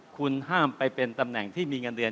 คุณห้ามไปเป็นตำแหน่งที่มีเงินเดือน